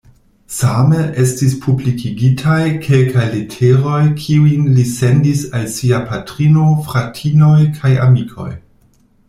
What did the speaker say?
Same, estis publikigitaj kelkaj leteroj kiujn li sendis al sia patrino, fratinoj kaj amikoj.